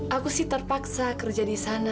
aku sih terpaksa kerja di sana